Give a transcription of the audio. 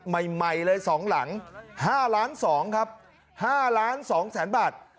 ใหม่เลยสองหลังห้าล้านสองครับห้าล้านสองแสนบาท